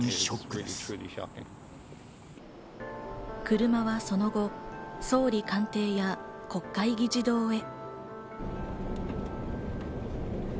車はその後、総理官邸や国会議事堂へ。